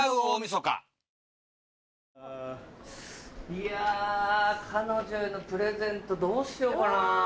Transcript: いや彼女へのプレゼントどうしようかな？